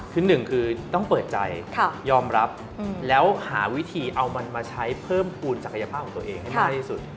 คือหนึ่งคือต้องเปิดใจยอมรับแล้วหาวิธีเอามันมาใช้เพิ่มภูมิศักยภาพของตัวเองให้มากที่สุด